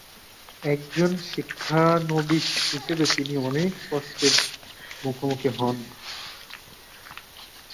একজন শিক্ষানবিশ হিসেবে তিনি অনেক কষ্টের মুখোমুখি হন।